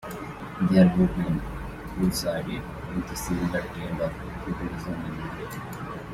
Their movements coincided with a similar trend of populism in Europe.